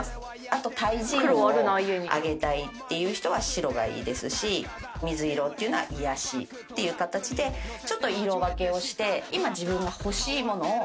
あと対人運を上げたいっていう人は白がいいですし水色っていうのは癒やしっていう形でちょっと色分けをして今。